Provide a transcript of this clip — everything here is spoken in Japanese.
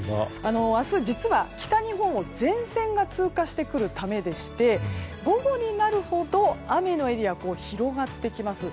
明日、実は北日本を前線が通過してくるためでして午後になるほど雨のエリアが広がってきます。